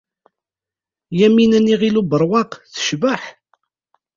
Yamina n Yiɣil Ubeṛwaq tecbeḥ.